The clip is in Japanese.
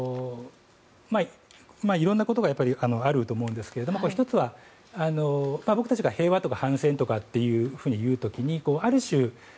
いろんなことがあると思うんですけど１つは、僕たちが平和とか反戦とかって言う時にある種、